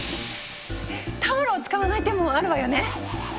タオルを使わない手もあるわよね！